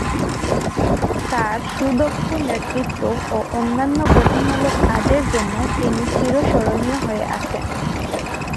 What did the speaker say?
তার সুদক্ষ নেতৃত্ব ও অন্যান্য গঠনমূলক কাজের জন্য তিনি চিরস্মরণীয় হয়ে আছেন।